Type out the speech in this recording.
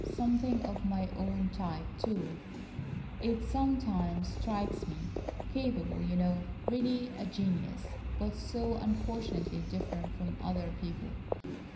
Something of my own type, too, it sometimes strikes me. Capable, you know, really a genius, but so unfortunately different from other people.